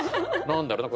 何だろう